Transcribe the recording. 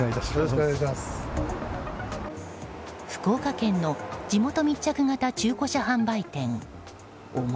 福岡県の地元密着型中古車販売店小郡